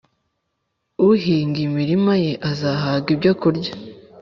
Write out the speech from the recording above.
uhinga imirima ye azahaga ibyokurya,